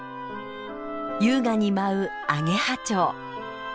優雅に舞うアゲハチョウ。